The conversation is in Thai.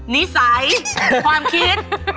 นิสัยความคิด